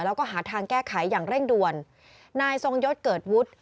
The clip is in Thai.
แล้วก็หาทางแก้ไขอย่างเร่งด่วนนายทรงยศเกิดวุฒิ